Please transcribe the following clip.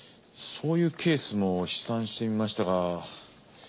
そういうケースも試算してみましたが。